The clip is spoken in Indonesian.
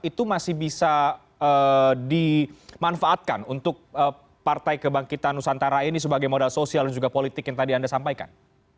itu masih bisa dimanfaatkan untuk partai kebangkitan nusantara ini sebagai modal sosial dan juga politik yang tadi anda sampaikan